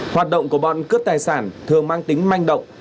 hoạt động của bọn cướp tài sản thường mang tính manh động